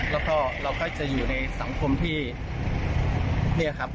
แล้วก็เราก็จะอยู่ในสังคมที่นี่ครับ